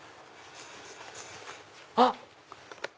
あっ！